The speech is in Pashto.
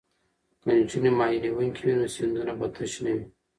که نجونې ماهي نیونکې وي نو سیندونه به تش نه وي.